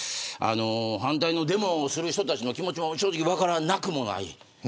反対のデモをする人たちの気持ちも正直分からなくもない。